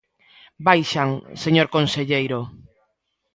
¡Baixan, señor conselleiro!